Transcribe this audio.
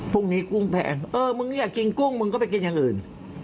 พรุ่งนี้กุ้งแพงเออมึงอยากกินกุ้งมึงก็ไปกินอย่างอื่น